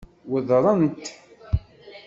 Weddṛen-t?